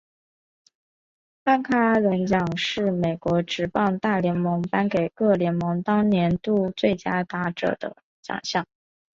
汉克阿伦奖是美国职棒大联盟颁给各联盟当年度最佳打者的奖项。